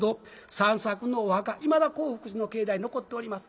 三作のお墓いまだ興福寺の境内に残っております。